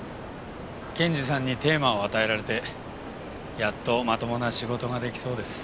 検事さんにテーマを与えられてやっとまともな仕事が出来そうです。